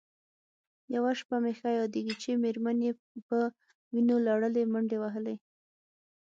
یوه شپه مې ښه یادېږي چې مېرمن یې په وینو لړلې منډې وهلې.